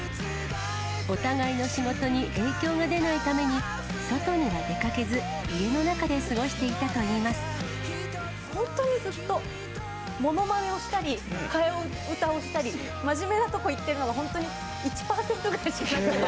お互いの仕事に影響が出ないために、外には出かけず、家の中で過本当にずっと、ものまねをしたり、替え歌をしたり、真面目なこと言ってるのが本当に１％ぐらいしか。